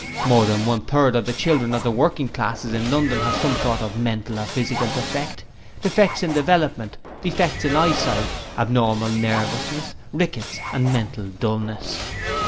More than one third of the children of the working classes in London have some sort of mental or physical defect; defects in development; defects of eyesight; abnormal nervousness; rickets, and mental dullness.